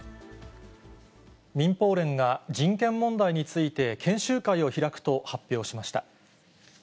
民放連が人権問題について研修会を開くと発表しました。